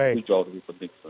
itu juga harus dipetik